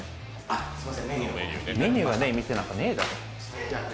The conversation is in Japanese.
メニューがねえ店なんかねえだろ！